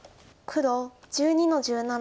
黒１２の十七。